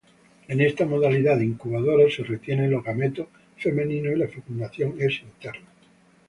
En esta modalidad incubadora, se retienen los gametos femeninos y la fecundación es interna.